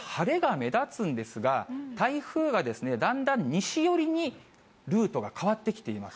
こちら晴れが目立つんですが、台風がですね、だんだん西寄りにルートが変わってきています。